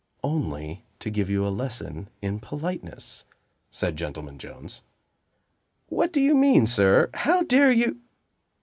"Only to give you a lesson in politeness," said Gentleman Jones. "What do you mean, sir? How dare you